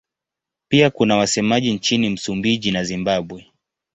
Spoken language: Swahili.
Pia kuna wasemaji nchini Msumbiji na Zimbabwe.